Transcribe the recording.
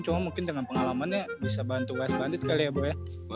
cuma mungkin dengan pengalamannya bisa bantu west bandit kali ya bu ya